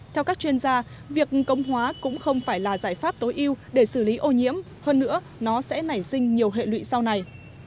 theo các chuyên gia việc công hóa cũng không phải là giải pháp tối ưu để xử lý ô nhiễm hơn nữa nó sẽ nảy sinh nhiều hệ lụy sau này